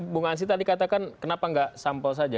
bung ansyi tadi katakan kenapa gak sampel saja